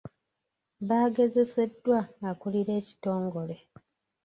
Baagezeseddwa akulira ekitongole.